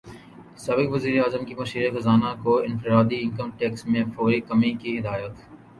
سابق وزیراعظم کی مشیر خزانہ کو انفرادی انکم ٹیکس میں فوری کمی کی ہدایت